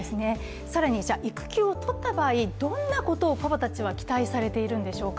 更に育休を取った場合、どんなことをパパたちは期待されているのでしょうか。